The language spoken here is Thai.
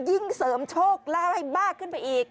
ยิ่งเสริมโชคลาภให้มากขึ้นไปอีก